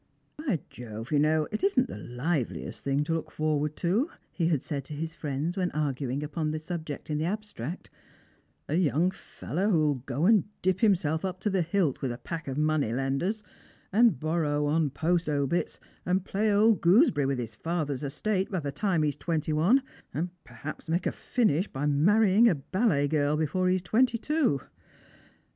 " By Jove, you know, it isn't the liveliest thing to look for ward to," he had said to his friends when arguing upon the subject in the abstract; "a young fellow who'll go and dip himself up to the hilt with a pack of money lenders, and borrow on post obits, and play old gooseberry with his father's estate by the time he is twenty one, and perhaps make a finish by marrying a ballet girl before he's twenty two."